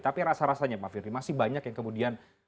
tapi rasa rasanya pak firly masih banyak yang kemudian